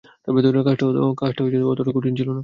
কাজটা অতটা কঠিন ছিলো না।